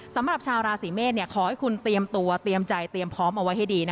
สำหรับชาวราศีเมษขอให้คุณเตรียมตัวเตรียมใจเตรียมพร้อมเอาไว้ให้ดี